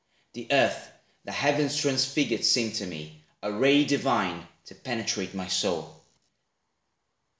The earth, the heavens transfigured seemed to me, A ray divine to penetrate my soul.